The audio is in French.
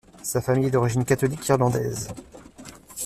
Sa famille est d'origine catholique irlandaise.